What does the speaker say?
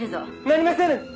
なりませぬ！